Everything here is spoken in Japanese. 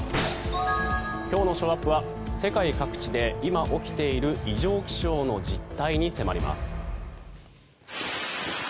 今日のショーアップは世界各地で今、起きている異常気象の実態に迫ります。